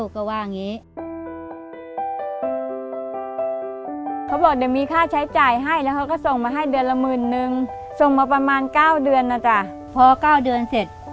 ต้องมีค่าใช้จ่ายนะลูกนะครูลูกต้องไปกับแผนเพิศ